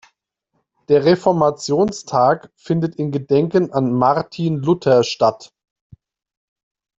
Der Reformationstag findet in Gedenken an Martin Luther statt.